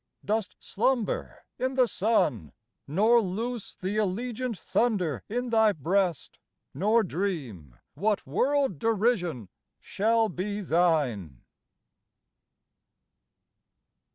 dost slumber in the sun, Nor loose the allegiant thunder in thy breast, Nor dream what world derision shall be thine.